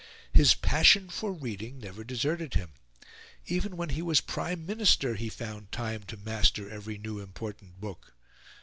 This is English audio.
His passion for reading never deserted him; even when he was Prime Minister he found time to master every new important book.